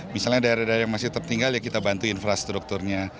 misalnya daerah daerah yang masih tertinggal ya kita bantu infrastrukturnya